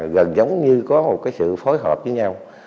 gần giống như có một cái sự phối hợp với nhau